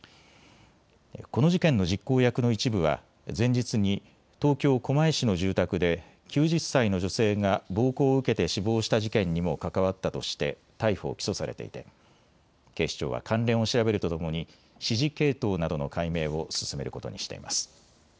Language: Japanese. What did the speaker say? この事件の実行役の一部は前日に東京狛江市の住宅で９０歳の女性が暴行を受けて死亡した事件にも関わったとして逮捕・起訴されていて警視庁は関連を調べるとともに指示系統などの解明を進めることにしています。